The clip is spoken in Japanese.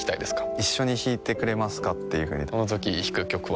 一緒に弾いてくれますかというふうにそのときに弾く曲は？